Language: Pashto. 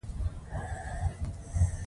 سیلابونه د افغانستان د طبیعت برخه ده.